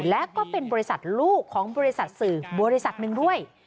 และก็เป็นบริษัทลูกของบริษัทสื่อบริษัทหนึ่งด้วย